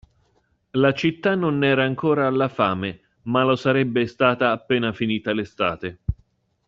La città non era ancora alla fame, ma lo sarebbe stata appena finita l'estate.